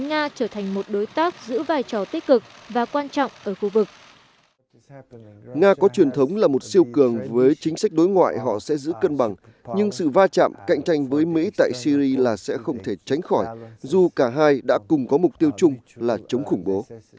nga có truyền thống là một siêu cường với chính sách đối ngoại họ sẽ giữ cân bằng nhưng sự va chạm cạnh tranh với mỹ tại syri là sẽ không thể tránh khỏi dù cả hai đã cùng có mục tiêu chung là chống khủng bố